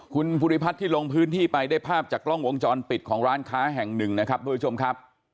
คุณภูริพัฒน์ที่ลงพื้นที่ไปได้ภาพจากกล้องวงจรปิดของร้านค้าแห่งหนึ่งนะครับทุกผู้ชมครับ